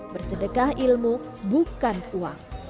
bersedekah ilmu bukan uang